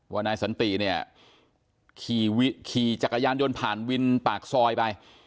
นายสันติเนี่ยขี่จักรยานยนต์ผ่านวินปากซอยไป